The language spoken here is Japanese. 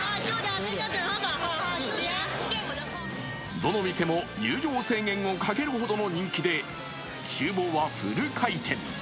どの店も入場制限をかけるほどの人気で、厨房はフル回転。